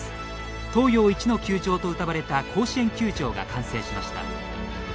東洋一の球場とうたわれた甲子園球場が完成しました。